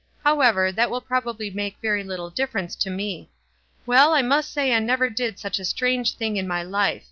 However, that will probably make very little difference to me. Well, I must say I never did such a strange thing in my life